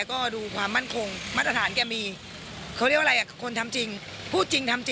กล้าที่จะทำจริงสู้